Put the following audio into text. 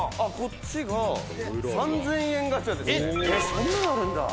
「そんなのあるんだ！